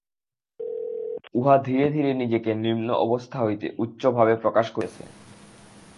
উহা ধীরে ধীরে নিজেকে নিম্ন অবস্থা হইতে উচ্চ ভাবে প্রকাশ করিতেছে।